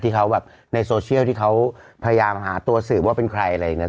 ที่เขาแบบในโซเชียลที่เขาพยายามหาตัวสืบว่าเป็นใครอะไรอย่างนี้